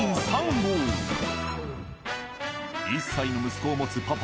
１歳の息子を持つパパ